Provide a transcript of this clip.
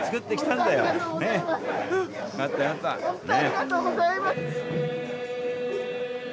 ほんとありがとうございます。